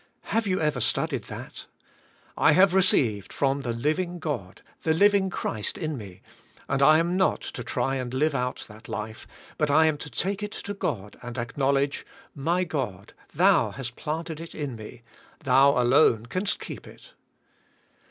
Have you ever studied that ? I have re ceived, from the living God, the living Christ in me, and I am not to try and live out that life, but I am to take it to God and acknowledge, "My God, Thou hast planted it in me; Thou, alone, canst keep it."